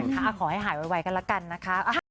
แล้วขอให้หายไวกันแล้วกัน